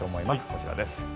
こちらです。